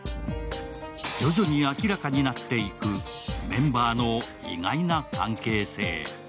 徐々に明らかになっていくメンバーの意外な関係性。